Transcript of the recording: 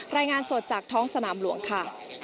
รายงานสดจากท้องสนามหลวงค่ะ